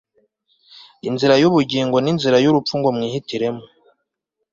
inzira y ubugingo n inzira y urupfu ngo mwihitiremo